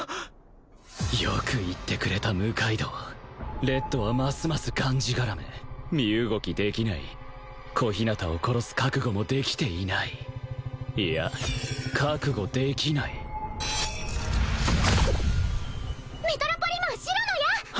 よく言ってくれた六階堂レッドはますますがんじがらめ身動きできない小日向を殺す覚悟もできていないいや覚悟できないメトロポリマン白の矢！